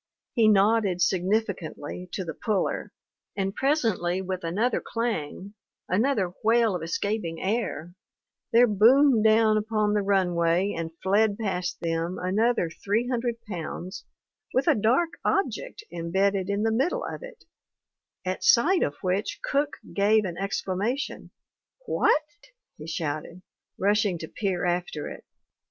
He nodded significantly to the puller; and presently with another clang, another wail of escaping air, there boomed down upon the runway and fled past them another three hundred pounds with a dark object embedded in the middle of it, at sight of which Cook gave an exclamation. " 'What !' he shouted, rushing to peer after it.